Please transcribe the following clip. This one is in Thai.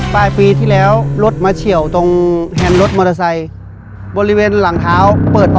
ปลายปีที่แล้วรถมาเฉี่ยวตรงแฮนรถมอเตอร์ไซต์